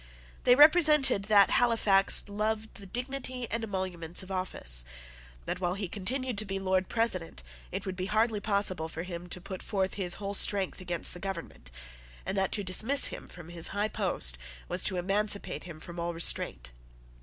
They represented that Halifax loved the dignity and emoluments of office, that, while he continued to be Lord President, it would be hardly possible for him to put forth his whole strength against the government, and that to dismiss him from his high post was to emancipate him from all restraint.